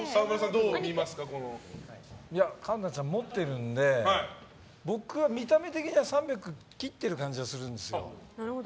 環奈ちゃん、持ってるんで僕は見た目的には３００切ってる感じがするんですよ。